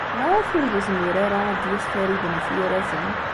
Maɣef ur yezmir ara ad d-yas Farid n At Yiraten?